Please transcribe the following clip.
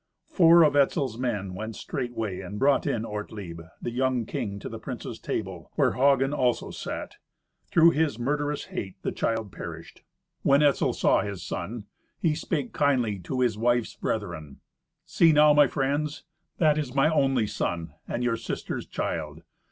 Four of Etzel's men went straightway and brought in Ortlieb, the young king, to the princes' table, where Hagen also sat. Through his murderous hate the child perished. When Etzel saw his son, he spake kindly to his wife's brethren, "See now, my friends, that is my only son, and your sister's child.